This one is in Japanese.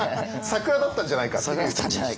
サクラだったんじゃないかと。